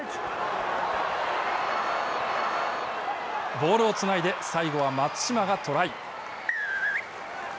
ボールをつないで最後は松島がトライ。